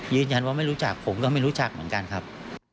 ยืนยันว่าไม่รู้จักผมก็ไม่รู้จักเหมือนกันครับ